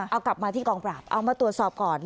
เอากลับมาที่กองปราบเอามาตรวจสอบก่อน